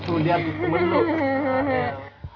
sudah aku kebenduk